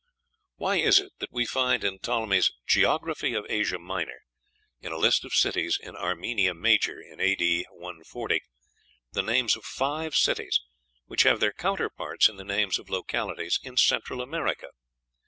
Why is it that we find in Ptolemy's "Geography of Asia Minor," in a list of cities in Armenia Major in A.D. 140, the names of five cities which have their counterparts in the names of localities in Central America?